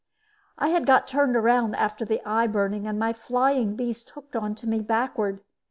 I had got turned around after the eye burning and my flying beast hooked onto me backward.